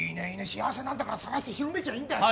幸せなんだからさらして広めちゃいいんだよ。